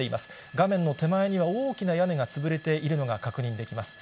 画面の手前には大きな屋根が潰れているのが確認できます。